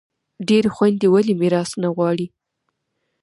ډیری خویندي ولي میراث نه غواړي؟